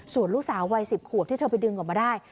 ส่วนลูกสาววัย๑๐ขวบที่เธอไปดึงออกมาได้